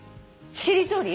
しりとり？